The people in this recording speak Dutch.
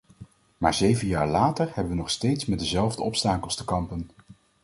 Maar zeven jaar later hebben we nog steeds met dezelfde obstakels te kampen.